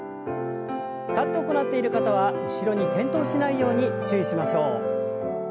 立って行っている方は後ろに転倒しないように注意しましょう。